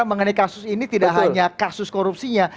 mengenai kasus ini tidak hanya kasus korupsinya